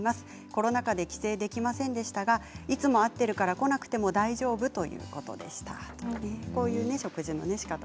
コロナ禍で帰省できませんでしたがいつも会っているから来なくても大丈夫ということでした。